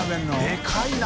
でかいな！